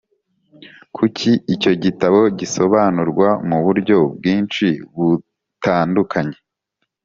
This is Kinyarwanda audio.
kuki icyo gitabo gisobanurwa mu buryo bwinshi butandukanye?